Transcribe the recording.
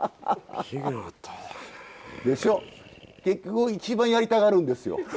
結局一番やりたがるんですよ。